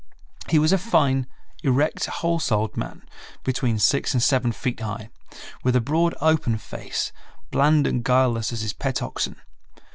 He was a fine, erect, whole souled man, between six and seven feet high, with a broad, open face, bland and guileless as his pet oxen.